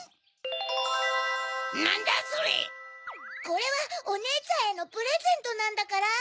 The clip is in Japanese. これはおねえちゃんへのプレゼントなんだから！